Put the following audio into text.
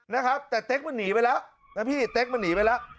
นะครับแต่เต๊กมันหนีไปแล้วนะพี่เต๊กมันหนีไปแล้ว